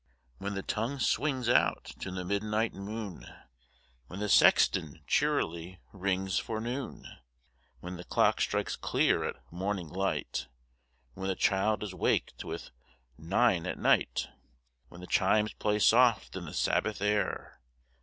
When the tonirue swino;s out to the midnin; ht moon— When the sexton checrly rings for noon — When the clock strikes clear at morning light — When the child is waked with " nine at night" — When the chimes play soft in the Sabbath air.